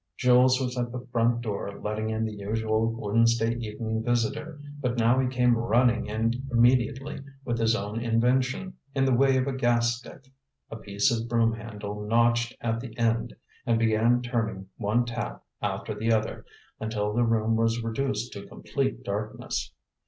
Jules was at the front door letting in the usual Wednesday evening visitor, but now he came running in immediately with his own invention in the way of a gas stick, a piece of broom handle notched at the end, and began turning one tap after the other, until the room was reduced to complete darkness.